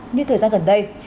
như thời gian gần đây